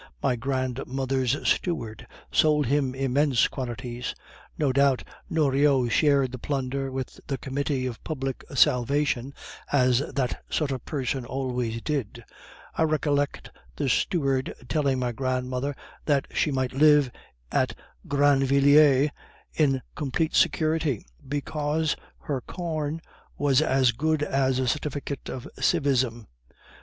My grandmother's steward sold him immense quantities. No doubt Noriot shared the plunder with the Committee of Public Salvation, as that sort of person always did. I recollect the steward telling my grandmother that she might live at Grandvilliers in complete security, because her corn was as good as a certificate of civism.